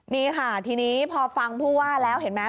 นี่ค่ะทีนี้พอฟังผู้ว่าแล้วเห็นไหม